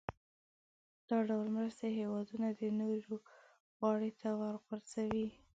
دا ډول مرستې هېوادونه د نورو غاړې ته ورغورځوي.